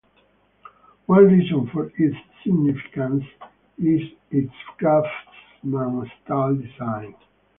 One reason for its significance is its Craftsman style design.